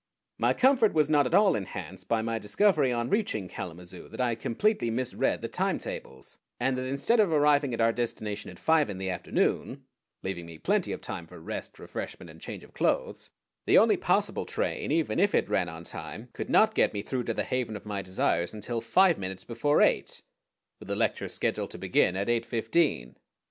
My comfort was not at all enhanced by my discovery on reaching Kalamazoo that I had completely misread the timetables, and that instead of arriving at our destination at five in the afternoon, leaving me plenty of time for rest, refreshment, and change of clothes, the only possible train, even if it ran on time, could not get me through to the haven of my desires until five minutes before eight, with the lecture scheduled to begin at eight fifteen.